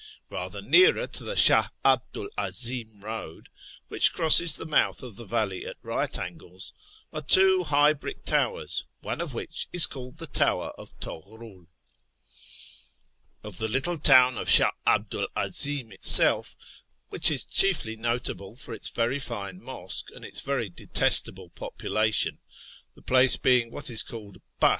Eather nearer to the Shah 'Abdu 'l 'Azim road (which crosses the mouth of the valley at right angles), are two high brick towers, one of which is called the Tower of Toghrul. 90 A YEAR AMONGST THE PERSIANS C)f till' little town of Sh;ili 'Alulu 'l 'A/i'in itsi'lf, which is chietly iiotablo for its very fine mosque and its very detestable population (the place being what is called "has.